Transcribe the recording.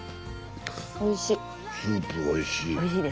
おいしい。